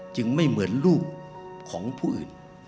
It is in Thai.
ไม่เหมือนลูกของผู้อื่น